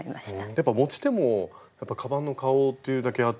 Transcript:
やっぱ持ち手もカバンの顔というだけあって。